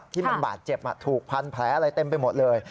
ที่มันบาดเจ็บถูกพันแผลอะไรเต็มไปหมดเลย